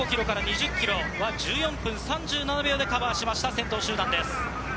１５ｋｍから２０ｋｍは１４分３７秒でカバーしました、先頭集団です。